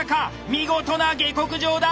見事な下克上だ！